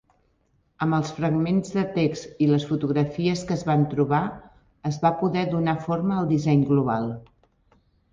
Amb els fragments de text i les fotografies que es van trobar es va poder donar forma al disseny global.